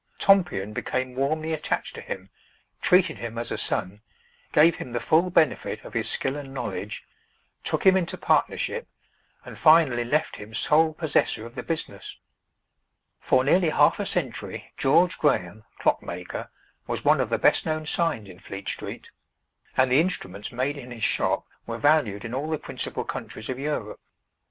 Tompion became warmly attached to him, treated him as a son, gave him the full benefit of his skill and knowledge, took him into partnership, and finally left him sole possessor of the business. For nearly half a century George Graham, Clock maker, was one of the best known signs in Fleet Street, and the instruments made in his shop were valued in all the principal countries of Europe.